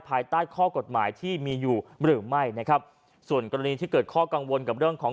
ภายใต้ข้อกฎหมายที่มีอยู่หรือไม่นะครับส่วนกรณีที่เกิดข้อกังวลกับเรื่องของ